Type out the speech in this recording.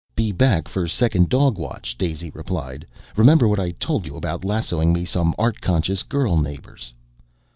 "Be back for second dog watch," Daisy replied. "Remember what I told you about lassoing me some art conscious girl neighbors."